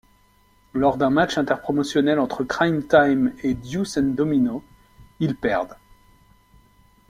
Lors d'un match inter-promotionnel entre Cryme Tyme & Deuce 'N Domino, ils perdent.